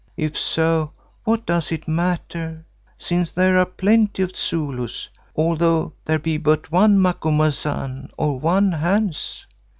If so, what does it matter, since there are plenty of Zulus, although there be but one Macumazahn or one Hans?